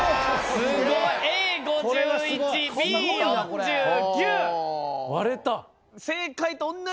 すごいわ。